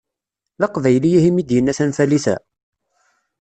D aqbayli ihi imi d-yenna tanfalit-a?